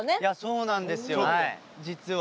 そうなんですよ実は。